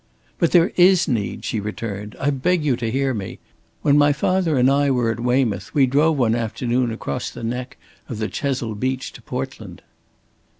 "But there is need," she returned. "I beg you to hear me. When my father and I were at Weymouth we drove one afternoon across the neck of the Chesil beach to Portland."